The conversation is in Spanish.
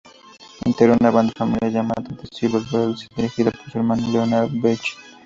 Integró una banda familiar llamada "The Silver Bells" dirigida por su hermano Leonard Bechet.